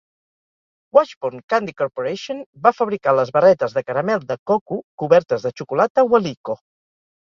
Washburn Candy Corporation va fabricar les barretes de caramel de coco cobertes de xocolata Waleeco.